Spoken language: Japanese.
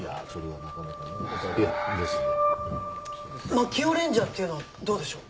槙尾レンジャーっていうのはどうでしょう？